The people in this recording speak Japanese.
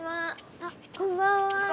あっこんばんは。